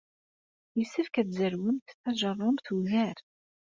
Yessefk ad tzerwemt tajeṛṛumt ugar.